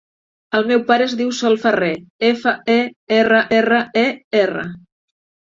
El meu pare es diu Sol Ferrer: efa, e, erra, erra, e, erra.